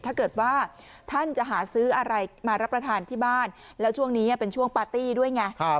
ถ้าเกิดว่าท่านจะหาซื้ออะไรมารับประทานที่บ้านแล้วช่วงนี้เป็นช่วงปาร์ตี้ด้วยไง